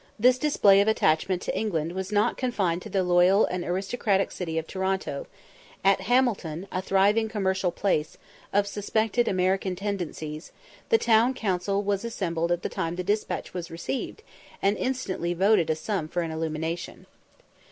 This display of attachment to England was not confined to the loyal and aristocratic city of Toronto; at Hamilton, a thriving commercial place, of suspected American tendencies, the town council was assembled at the time the despatch was received, and instantly voted a sum for an illumination.